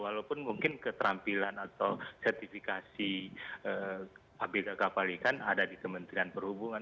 walaupun mungkin keterampilan atau sertifikasi abk kapal ikan ada di kementerian perhubungan